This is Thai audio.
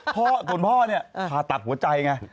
พ่อส่วนพ่อพาตักหัวใจไง